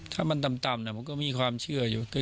ถ้ามันต่ำผมก็มีความเชื่ออยู่